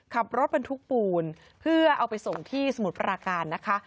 ขับรถบรรทุกปูนเพื่อเอาไปส่งที่สมุทรปราการนะคะ